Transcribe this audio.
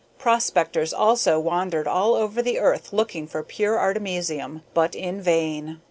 Prospectors also wandered all over the earth looking for pure artemisium, but in vain.